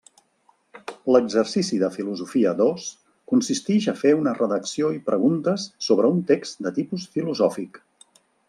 L'exercici de Filosofia dos consistix a fer una redacció i preguntes sobre un text de tipus filosòfic.